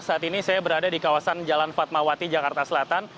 saat ini saya berada di kawasan jalan fatmawati jakarta selatan